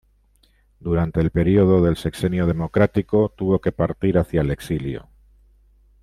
Durante el período del Sexenio Democrático, tuvo que partir hacia el exilio.